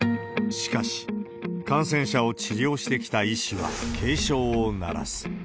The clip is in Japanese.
しかし、感染者を治療してきた医師は警鐘を鳴らす。